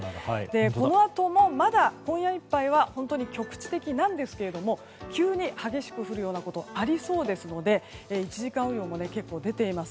このあともまだ今夜いっぱいは本当に局地的なんですが急に激しく降るようなことがありそうですので１時間雨量も結構出ています。